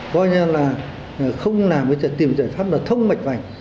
coi như là không làm tìm giải pháp là thông mạch vảnh